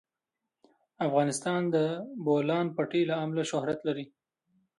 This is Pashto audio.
افغانستان د د بولان پټي له امله شهرت لري.